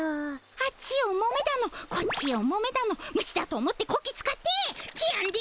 あっちをもめだのこっちをもめだの虫だと思ってこき使っててやんで！